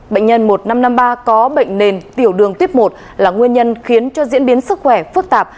bệnh nhân một nghìn năm trăm năm mươi ba có bệnh nền tiểu đường tiếp một là nguyên nhân khiến cho diễn biến sức khỏe phức tạp